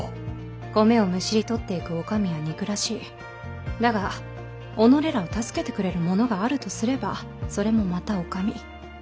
米をむしり取っていくお上は憎らしいだが己らを助けてくれる者があるとすればそれもまたお上。